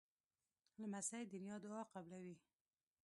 لمسی د نیا دعا قبلوي.